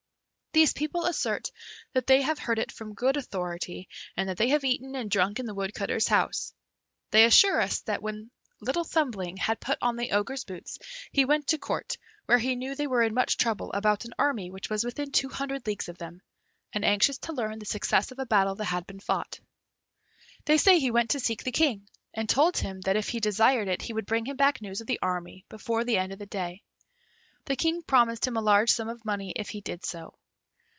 These people assert that they have heard it from good authority, and that they have even eaten and drunk in the Woodcutter's house. They assure us that when Little Thumbling had put on the Ogre's boots, he went to Court, where he knew they were in much trouble about an army which was within two hundred leagues of them, and anxious to learn the success of a battle that had been fought. They say he went to seek the King, and told him that if he desired it, he would bring him back news of the army before the end of the day. The King promised him a large sum of money if he did so.